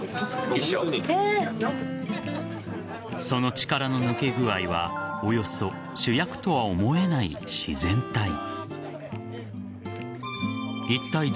その力の抜け具合はおよそ主役とは思えない自然体。